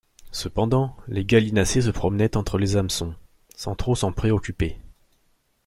Cependant, les gallinacés se promenaient entre les hameçons, sans trop s’en préoccuper.